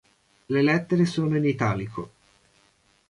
Le lettere sono in italico.